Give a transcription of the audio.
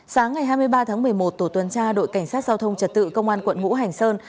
sáng ngày hai mươi ba tháng một mươi một tổ tuần tra đội cảnh sát giao thông trật tự công an quận ngũ hành sơn